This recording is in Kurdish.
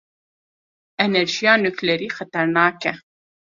Enerjiya nuklerî xeternak e.